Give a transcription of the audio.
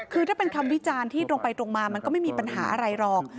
คือถ้าเป็นคำวิจารณ์ที่ตรงไปตรงมามันก็ไม่มีปัญหาอะไรหรอก